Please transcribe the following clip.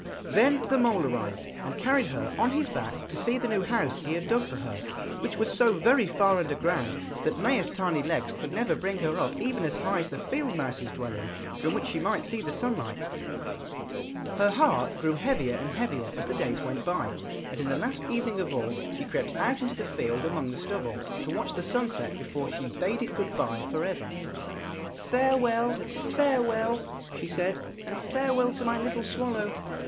Then the mole arrived, and carried her on his back to see the new house he had dug for her, which was so very far under ground that Maia's tiny legs could never bring her up even as high as the field mouse's dwelling, from which she might see the sunlight. Her heart grew heavier and heavier as the days went by, and in the last evening of all she crept out into the field among the stubble, to watch the sun set before she bade it good bye for ever. 'Farewell, farewell,' she said 'and farewell to my little swallow.